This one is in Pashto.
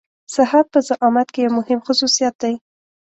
صحت په زعامت کې يو مهم خصوصيت دی.